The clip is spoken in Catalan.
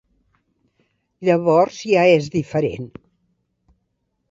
Llavors ja és diferent.